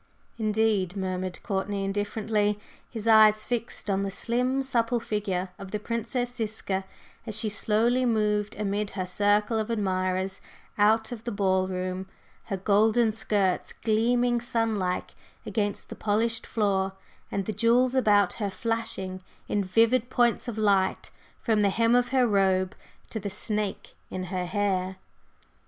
"Indeed!" murmured Courtney indifferently, his eyes fixed on the slim, supple figure of the Princess Ziska as she slowly moved amid her circle of admirers out of the ball room, her golden skirts gleaming sun like against the polished floor, and the jewels about her flashing in vivid points of light from the hem of her robe to the snake in her hair.